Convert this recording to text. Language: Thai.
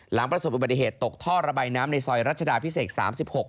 หลังประสบอุบัติเหตุตกท่อระบายน้ำในซอยรัชดาพิเศษ๓๖